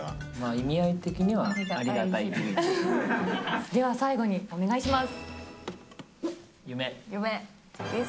意味合い的にはありがたい日では最後にお願いします。